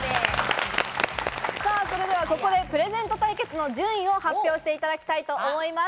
それでは、ここでプレゼント対決の順位を発表していただきたいと思います。